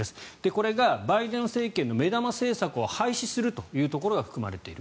これがバイデン政権の目玉政策を廃止するというところが含まれている。